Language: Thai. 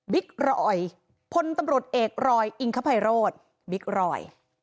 รอยพลตำรวจเอกรอยอิงคภัยโรธบิ๊กรอย